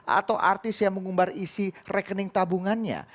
atau artis yang mengumbar isi rekening tabungannya